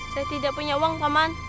saya tidak punya uang paman